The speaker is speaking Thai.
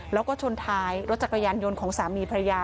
แล้วก็ชนท้ายรถจักรยานยนต์ของสามีภรรยา